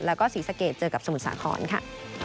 แล้วก็ศรีสะเกดเจอกับสมุทรสาครค่ะ